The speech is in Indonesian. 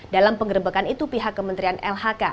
dalam penggerbekan itu pihak kementerian lhk